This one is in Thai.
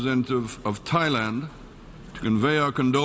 ยังได้ตามงานกันไว้ของผม